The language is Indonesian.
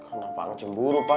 karena pak ang cemburu pak